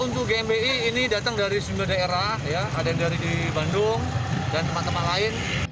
untuk gmi ini datang dari sejumlah daerah ada yang dari di bandung dan teman teman lain